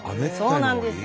そうなんですよ。